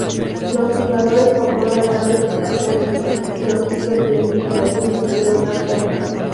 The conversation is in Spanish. Los jugadores controlan naves espaciales y los buques de investigación, entre otras cosas.